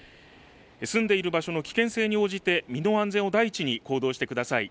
住んでいる場所の危険性に応じて身の安全を第一に行動してください。